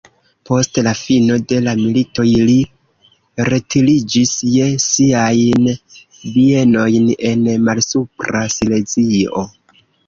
Post la fino de la militoj li retiriĝis je siajn bienojn en Malsupra Silezio.